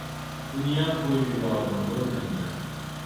Buniyam qo‘yib yubordim, bo‘lmaydi!